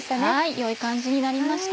良い感じになりました。